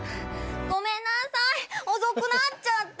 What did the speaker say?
ごめんなさい遅くなっちゃって！